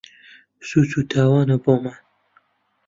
سووچ و تاوانە بۆمان